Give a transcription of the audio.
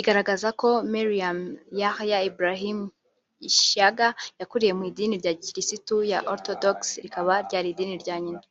igaragaza ko Meriam Yehya Ibrahim Ishag yakuriye mu Idini ya gikristu ya Orthodox rikaba ryari idini rya nyina